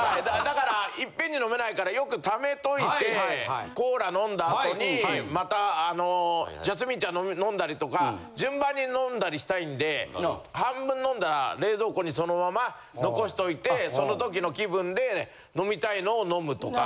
だからいっぺんに飲めないからよく溜めといてコーラ飲んだ後にまたジャスミン茶飲んだりとか順番に飲んだりしたいんで半分飲んだら冷蔵庫にそのまま残しといてその時の気分で飲みたいのを飲むとか。